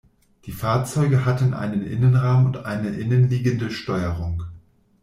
Die Fahrzeuge hatten einen Innenrahmen und eine innen liegende Steuerung.